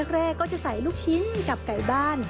แรกก็จะใส่ลูกชิ้นกับไก่บ้าน